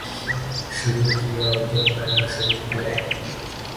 شروع کیا اور جب پڑھنا شروع کیا